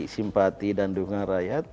simpati dan dunga rakyat